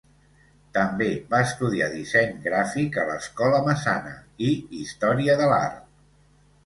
També va estudiar disseny gràfic a l'Escola Massana i història de l'art.